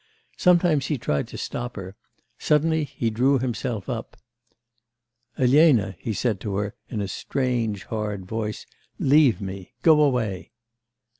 Sometimes he tried to stop her; suddenly he drew himself up. 'Elena,' he said to her in a strange, hard voice 'leave me, go away.